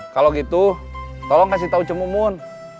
kalau gitu tolong kasih tahu cemumun